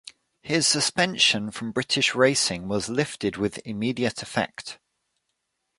His suspension from British racing was lifted with immediate effect.